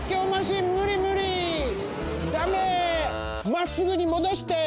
まっすぐにもどして！